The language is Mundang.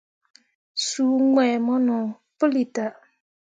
Suu gbǝ̃ǝ̃ me no puli tah.